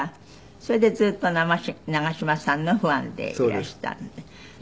それでずっと長嶋さんのファンでいらしたんで。